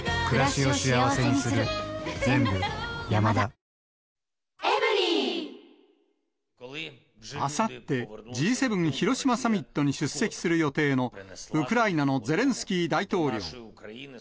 広島であったことを二度と起あさって、Ｇ７広島サミットに出席する予定の、ウクライナのゼレンスキー大統領。